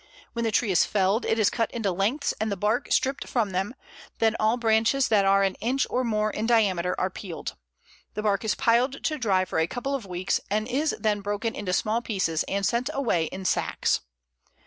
When the tree is felled, it is cut into lengths and the bark stripped from them; then all branches that are an inch or more in diameter are peeled. The bark is piled to dry for a couple of weeks, and is then broken into small pieces and sent away in sacks.